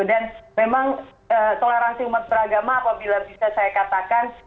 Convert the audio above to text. dan memang toleransi umat beragama apabila bisa saya katakan